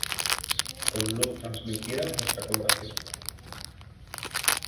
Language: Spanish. Con luz transmitida muestra coloración parda.